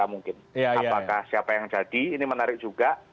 apakah siapa yang jadi ini menarik juga